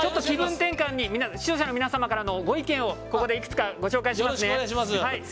気分転換に視聴者の皆様からのご意見をここで、いくつかご紹介します。